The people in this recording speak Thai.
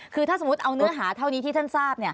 คือถ้าสมมุติเอาเนื้อหาเท่านี้ที่ท่านทราบ